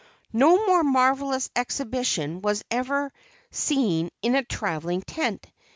No more marvelous exhibition was ever seen in a travelling tent.